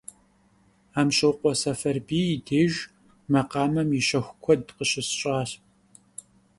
Амщокъуэ Сэфарбий и деж макъамэм и щэху куэд къыщысщӀащ.